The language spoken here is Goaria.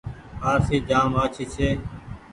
آرسي جآم آڇي ڇي۔